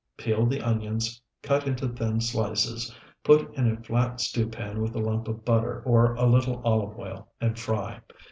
Peel the onions, cut into thin slices, put in a flat stew pan with a lump of butter, or a little olive oil, and fry.